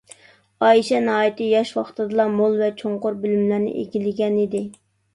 ئائىشە ناھايىتى ياش ۋاقتىدىلا مول ۋە چوڭقۇر بىلىملەرنى ئىگىلىگەن ئىدى.